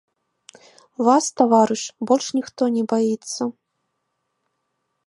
Вас, таварыш, больш ніхто не баіцца.